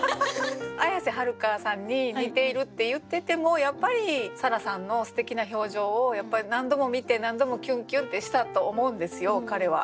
綾瀬はるかさんに似ているって言っててもやっぱり沙羅さんのすてきな表情をやっぱり何度も見て何度もキュンキュンってしたと思うんですよ彼は。